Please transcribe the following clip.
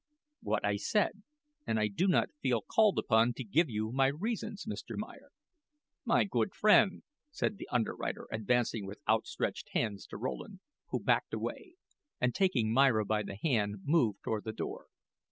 "What I said; and I do not feel called upon to give you my reasons, Mr. Meyer." "My good friend," said the underwriter, advancing with outstretched hands to Rowland, who backed away, and taking Myra by the hand, moved toward the door.